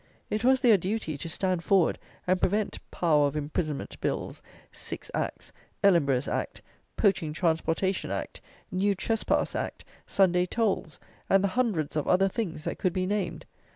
It was their duty to stand forward and prevent Power of Imprisonment Bills, Six Acts, Ellenborough's Act, Poaching Transportation Act, New Trespass Act, Sunday Tolls, and the hundreds of other things that could be named.